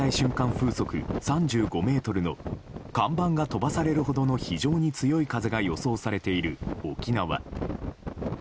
風速３５メートルの看板が飛ばされるほどの非常に強い風が予想されている沖縄。